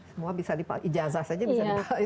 semua bisa dipakai ijazah saja bisa dipakai